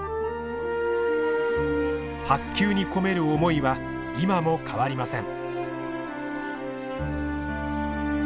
白球に込める思いは今も変わりません。